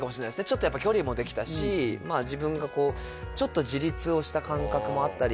ちょっとやっぱ距離もできたし自分がこうちょっと自立をした感覚もあったり